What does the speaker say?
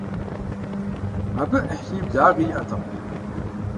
Абы Ӏыхьлыи благъи иӀэтэкъым.